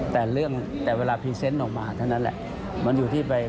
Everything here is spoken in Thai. แต่เรื่องแต่เวลาพรีเซนต์ออกมาเท่านั้นแหละมันอยู่ที่ไป